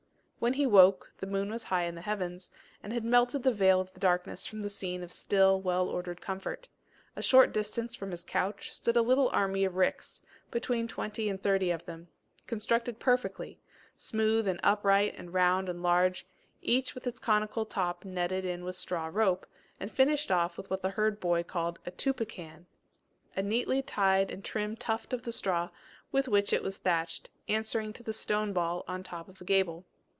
When he woke, the moon was high in the heavens, and had melted the veil of the darkness from the scene of still, well ordered comfort. A short distance from his couch, stood a little army of ricks, between twenty and thirty of them, constructed perfectly smooth and upright and round and large, each with its conical top netted in with straw rope, and finished off with what the herd boy called a toupican a neatly tied and trim tuft of the straw with which it was thatched, answering to the stone ball on the top of a gable.